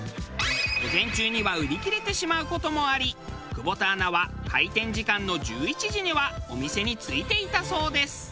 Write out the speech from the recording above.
午前中には売り切れてしまう事もあり久保田アナは開店時間の１１時にはお店に着いていたそうです。